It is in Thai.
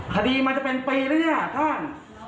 คดีมันจะเป็นปีแล้วเนี่ยท่าน